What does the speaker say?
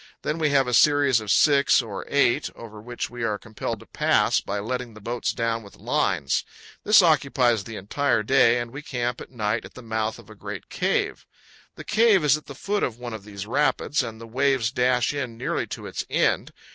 Then we have a series of six or eight, over which we are compelled to pass by letting the boats down with lines. This occupies the entire day, and we camp at night at the mouth of a great cave. The cave is at the foot of one of these rapids, and the waves dash in nearly to its end.